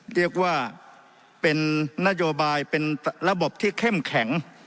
เรียกว่าเป็นนโยบายเป็นระบบที่เข้มแข็ง